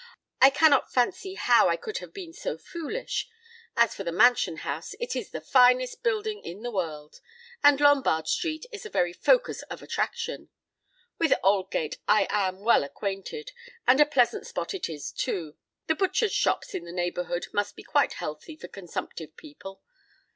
I cannot fancy how I could have been so foolish. As for the Mansion House, it is the finest building in the world; and Lombard Street is the very focus of attraction. With Aldgate I am well acquainted; and a pleasant spot it is, too. The butchers' shops in the neighbourhood must be quite healthy for consumptive people.